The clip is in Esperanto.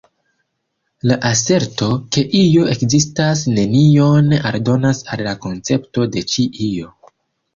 La aserto, ke io ekzistas nenion aldonas al la koncepto de ĉi io.